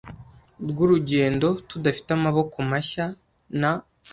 rwurugendo tudafite amaboko mashya; na